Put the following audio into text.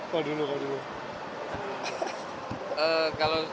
kalau dulu kalau dulu